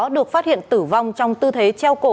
được phát hiện tử vong trong tư thế treo cổ